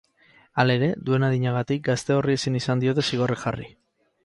Halere, duen adinagatik, gazte horri ezin izan diote zigorrik jarri.